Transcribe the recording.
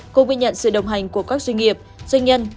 cũng ghi nhận sự đồng hành của các doanh nghiệp doanh nhân